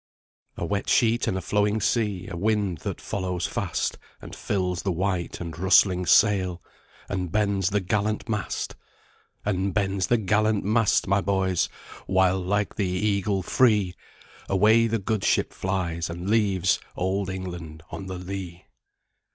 "A wet sheet and a flowing sea, A wind that follows fast And fills the white and rustling sail, And bends the gallant mast! And bends the gallant mast, my boys, While, like the eagle free, Away the good ship flies, and leaves Old England on the lee."